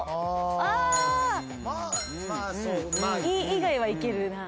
Ｅ以外はいけるな。